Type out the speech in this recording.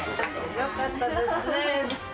よかったですね。